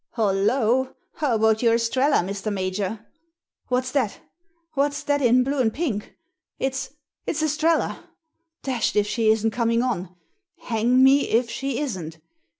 Hollo! how about your Estrella, Mr. Major? What's that — what's that in blue and pink? If s — it's Estrella! Dashed if she isn't coming on; hang me if she isn't!